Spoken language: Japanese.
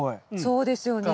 そうですよね。